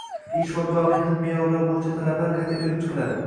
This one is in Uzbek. Ish vaqti va mehnat me’yorlari bo‘yicha talablar qayta ko‘rib chiqiladi.